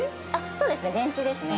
◆そうですね、電池ですね。